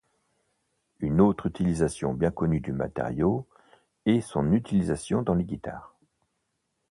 Une autre utilisation bien connue du matériau est son utilisation dans les guitares.